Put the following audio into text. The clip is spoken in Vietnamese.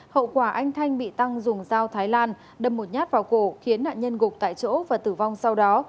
hậu quả anh thanh bị tăng dùng dao thái lan đâm một nhát vào cổ khiến nạn nhân gục tại chỗ và tử vong sau đó